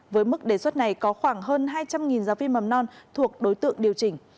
với mức đề xuất này có khoảng hơn hai trăm linh giáo viên mầm non thuộc đối tượng điều chỉnh